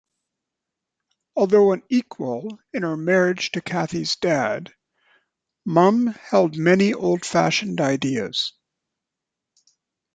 Although an equal in her marriage to Cathy's Dad, Mom held many old-fashioned ideas.